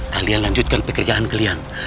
kalian lanjutkan pekerjaan kalian